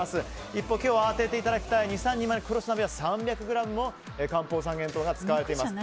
一方、今日当てていただきたい２３人前の食労寿鍋は３００ｇも漢方三元豚が使われています。